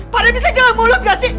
pada bisa jawab mulut gak sih